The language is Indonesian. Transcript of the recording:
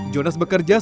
jonas bekerja sebabnya